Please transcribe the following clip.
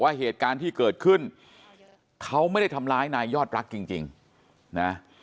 เหตุการณ์ที่เกิดขึ้นเขาไม่ได้ทำร้ายนายยอดรักจริงนะ